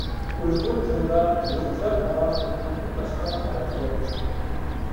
ئۇيغۇر تىلىدا يۇرتلار ئارا بۇنىڭدىن باشقا پەرق يوق.